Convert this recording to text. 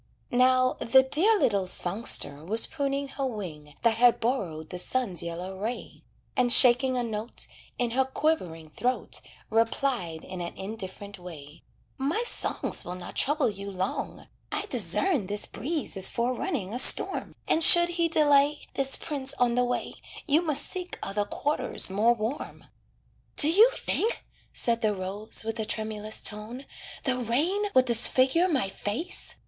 Now, the dear little songster was pruning her wing That had borrowed the sun's yellow ray, And shaking a note In her quivering throat, Replied in an indifferent way: "My songs will not trouble you long. I discern This breeze is forerunning a storm, And should he delay (This prince) on the way, You must seek other quarters more warm." "Do you think," said the rose, with a tremulous tone, "The rain would disfigure my face?"